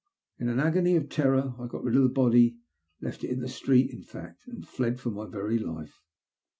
In an agony of terror I got rid of the body — left it in the street in fact — and fled for my very life.